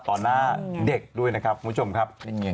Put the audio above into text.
หน้าเด็กด้วยนะครับคุณผู้ชมครับ